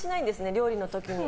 料理の時に。